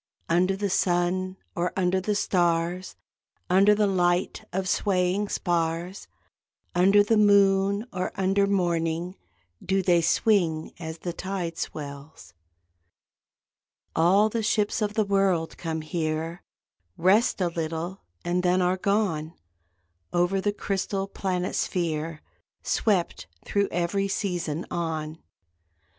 Under the sun or under the stars (Under the light of swaying spars), Under the moon or under morning Do they swing, as the tide swells. All the ships of the world come here, Rest a little and then are gone, Over the crystal planet sphere Swept, thro every season, on.